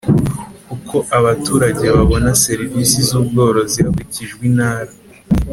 Uko abaturage babona serivisi z ubworozi hakurikijwe intara